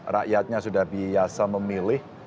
rakyatnya sudah biasa memilih